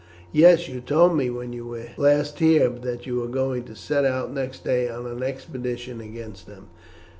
"Yes, you told me when you were last here that you were going to set out next day on an expedition against them."